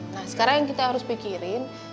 nah sekarang yang kita harus pikirin